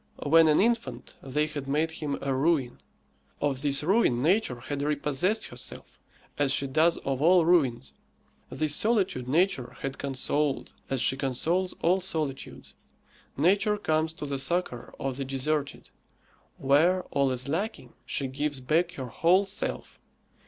When an infant, they had made him a ruin; of this ruin Nature had repossessed herself, as she does of all ruins. This solitude Nature had consoled, as she consoles all solitudes. Nature comes to the succour of the deserted; where all is lacking, she gives back her whole self.